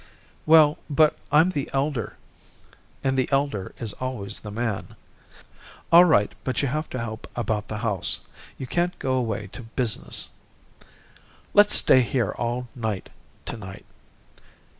"Well, but I'm the elder, and the elder is always the man." "All right, but you have to help about the house. You can't go away to business." "Let's stay here all night, to night."